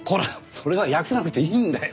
それは訳さなくていいんだよ！